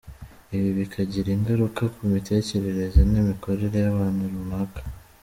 Ibi bikagira ingaruka ku mitekerereze n’imikorere y’abantu runaka.